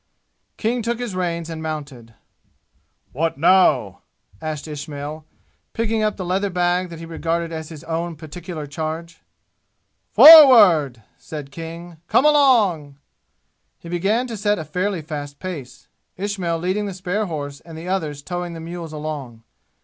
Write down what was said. King took his reins and mounted. "What now?" asked Ismail, picking up the leather bag that he regarded as his own particular charge. "Forward!" said King. "Come along!" He began to set a fairly fast pace, Ismail leading the spare horse and the others towing the mules along.